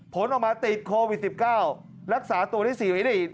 ผลออกมาติดโควิด๑๙รักษาตัวได้๔วิได้อีก